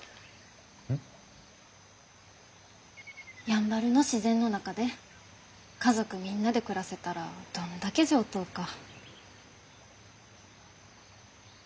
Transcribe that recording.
やんばるの自然の中で家族みんなで暮らせたらどんだけ上等か。